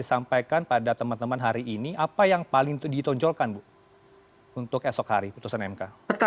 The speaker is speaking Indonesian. apa kabar anda bu untuk esok hari putusan mk